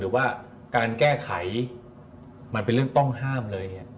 ว่าการแก้ไขมันเป็นเรื่องต้องห้ามเลย